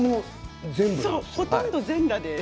ほとんど全裸で。